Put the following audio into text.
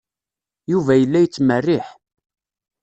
Yuba yella yettmerriḥ.